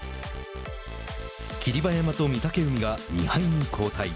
霧馬山と御嶽海が２敗に後退。